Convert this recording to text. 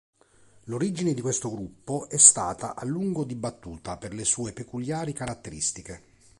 L'origine di questo gruppo è stata a lungo dibattuta per le sue peculiari caratteristiche.